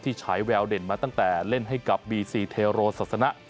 ที่ใช้แววเด่นมาตั้งแต่เล่นให้กับบีซีเทโรศักษณะ